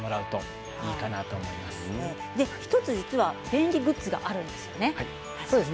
１つ便利グッズがあるんですね。